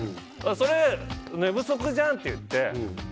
それ、寝不足じゃんって言って。